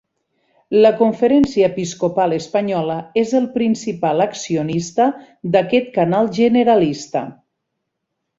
La Conferència Episcopal Espanyola és el principal accionista d'aquest canal generalista.